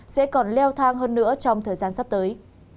sẽ còn leo thang hơn nữa trong thời gian sắp tới